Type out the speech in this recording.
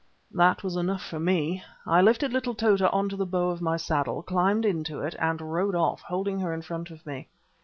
That was enough for me. I lifted little Tota on to the bow of my saddle, climbed into it, and rode off, holding her in front of me.